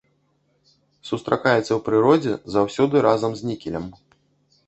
Сустракаецца ў прыродзе заўсёды разам з нікелем.